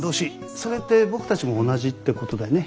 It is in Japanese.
それって僕たちも同じってことだよね。